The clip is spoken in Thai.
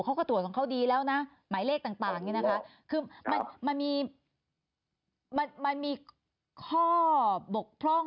เขาก็ตรวจของเขาดีแล้วนะหมายเลขต่างคือมันมีข้อบกพร่อง